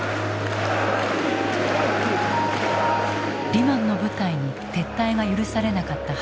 リマンの部隊に撤退が許されなかった背景には